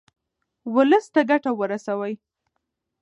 ولس ته ګټه ورسوئ.